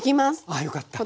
あよかった！